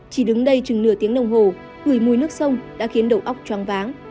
chỉ đứng đây chừng nửa tiếng đồng hồ người mùi nước sông đã khiến đầu óc troang váng